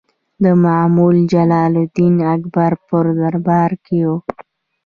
د مغول جلال الدین اکبر په دربار کې و.